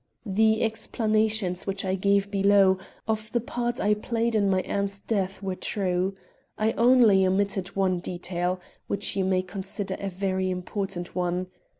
"The explanations which I gave below, of the part I played in my aunt's death were true. I only omitted one detail, which you may consider a very important one.